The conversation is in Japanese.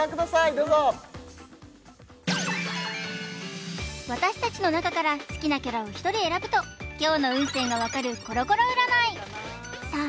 どうぞ私達の中から好きなキャラを１人選ぶと今日の運勢が分かるコロコロ占いさあ